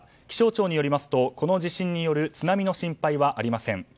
気象庁によりますとこの地震による津波の心配はありません。